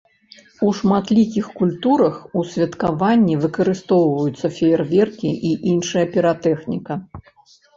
У шматлікіх культурах у святкаванні выкарыстоўваюцца феерверкі і іншая піратэхніка.